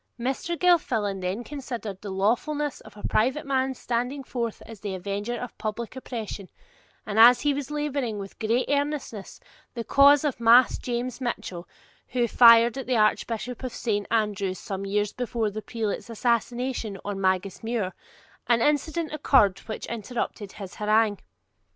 Mr. Gilfillan then considered the lawfulness of a private man's standing forth as the avenger of public oppression, and as he was labouring with great earnestness the cause of Mas James Mitchell, who fired at the Archbishop of Saint Andrews some years before the prelate's assassination on Magus Muir, an incident occurred which interrupted his harangue.